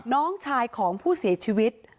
น้องชายของผู้เสียชีวิต